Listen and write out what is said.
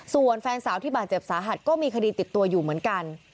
ส่วนแฟนสาวที่บาดเจ็บสาหัสก็มีคดีติดตัวอยู่เหมือนกัน